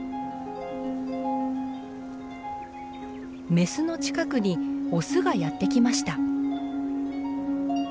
メスの近くにオスがやって来ました。